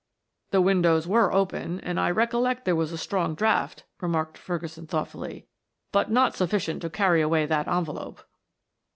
"The windows were open, and I recollect there was a strong draught," remarked Ferguson thoughtfully. "But not sufficient to carry away that envelope."